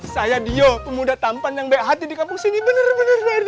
saya dio pemuda tampan yang baik hati di kampung sini bener bener pak rete